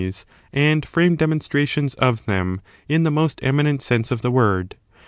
[bOOK XIL and frame demonstrations of them, in the most eminent sense of the word.